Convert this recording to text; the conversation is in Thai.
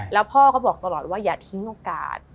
แล้วพ่อก็บอกตลอดว่าอย่าทิ้งโอกาส